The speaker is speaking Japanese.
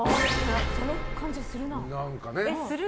その感じ、するな。